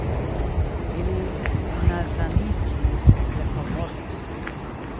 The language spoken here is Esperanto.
Ili nalsaniĝis kaj preskaŭ mortis.